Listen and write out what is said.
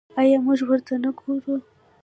آیا موږ ورته نه ګورو؟